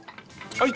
はい